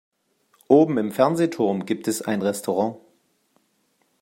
Oben im Fernsehturm gibt es ein Restaurant.